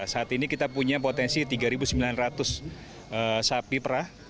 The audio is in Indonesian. saat ini kita punya potensi tiga sembilan ratus sapi perah